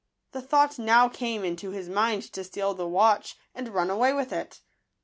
The thought now came into his mind to steal the watch and run away with it.